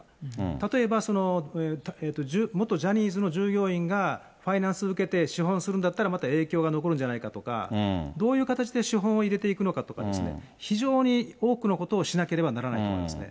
例えば、その元ジャニーズの従業員がファイナンス受けて、資本するんだったらまた影響が残るんじゃないかとか、どういう形で資本を入れていくのかとか、非常に多くのことをしなければいけないですね。